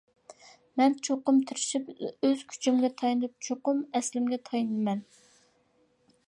مەن چوقۇم تىرىشىپ، ئۆز كۈچۈمگە تايىنىپ چوقۇم ئەسلىمگە تايىنىمەن.